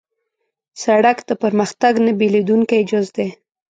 سړک د پرمختګ نه بېلېدونکی جز دی.